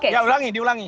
ya ulangi diulangi